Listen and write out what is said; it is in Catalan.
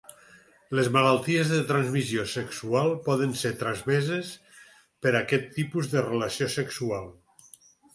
Les malalties de transmissió sexual, poden ser transmeses per aquest tipus de relació sexual.